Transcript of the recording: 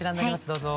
どうぞ。